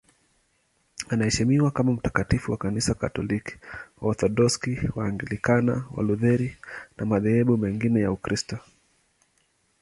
Anaheshimiwa kama mtakatifu na Kanisa Katoliki, Waorthodoksi, Waanglikana, Walutheri na madhehebu mengine ya Ukristo.